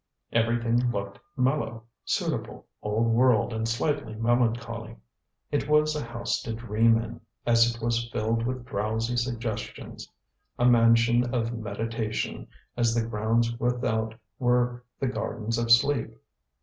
Everything looked mellow, suitable, old world and slightly melancholy. It was a house to dream in, as it was filled with drowsy suggestions: a mansion of meditation, as the grounds without were the Gardens of Sleep.